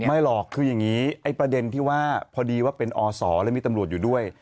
ไม่หรอกคืออย่างนี้ไอ้ประเด็นที่ว่าพอดีว่าเป็นอศแล้วมีตำรวจอยู่ด้วย